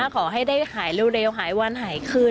ขอให้ได้หายเร็วหายวันหายคืน